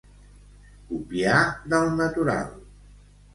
Copiar del natural.